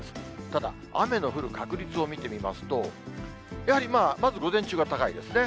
ただ、雨の降る確率を見てみますと、やはりまず午前中が高いですね。